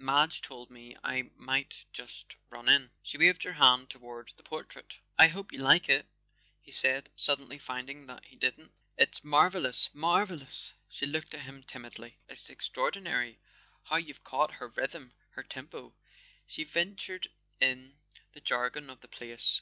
Madge told me I might just run in " She waved her hand toward the portrait. "I hope you like it," he said, suddenly finding that he didn't. "It's marvellous—marvellous." She looked at him timidly. "It's extraordinary, how you've caught her rhythm, her tempo" she ventured in the jargon of the place.